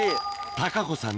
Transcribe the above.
孝子さん